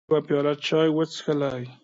موږ هم یوه پیاله چای وڅښلې.